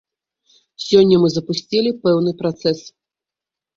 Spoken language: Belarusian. Сёння мы запусцілі пэўны працэс.